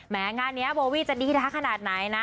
แม้งานนี้โบวี่จะดีขนาดไหนนะ